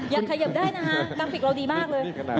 ยังขยับได้นะฮะ